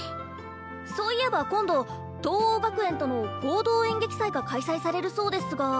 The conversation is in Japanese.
そういえば今度藤黄学園との合同演劇祭が開催されるそうですが。